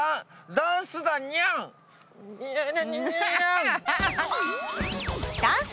「ダンスだニャン」